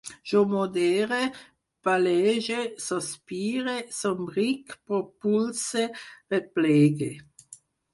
Jo modere, palege, sospire, somric, propulse, replegue